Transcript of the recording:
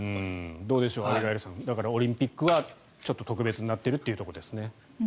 どうでしょうアビガイルさんオリンピックはちょっと特別になっているということですね。